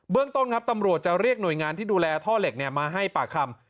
ต้นครับตำรวจจะเรียกหน่วยงานที่ดูแลท่อเหล็กมาให้ปากคำ